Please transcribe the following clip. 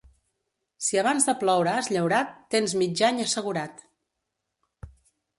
Si abans de ploure has llaurat, tens mig any assegurat.